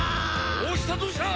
どうしたどうした？